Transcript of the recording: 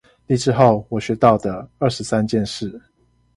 離職後我學到的二十三件事